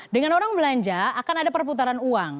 dengan orang belanja akan ada perputaran uang